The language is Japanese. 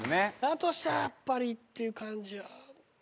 だとしたらやっぱりっていう感じは。